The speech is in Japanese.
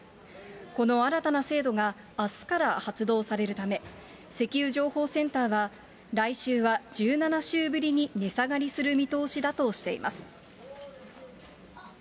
この新たな制度が、あすから発動されるため、石油情報センターは、来週は１７週ぶりに値下がりする見通しだとしています。